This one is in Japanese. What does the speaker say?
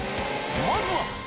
まずは。